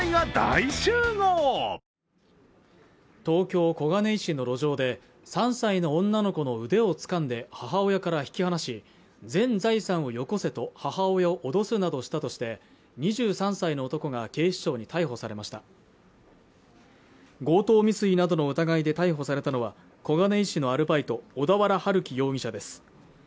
東京・小金井市の路上で３歳の女の子の腕をつかんで母親から引き離し全財産をよこせと母親を脅すなどしたとして２３歳の男が警視庁に逮捕されました強盗未遂などの疑いで逮捕されたのは小金井市のアルバイト小田原春輝容疑者です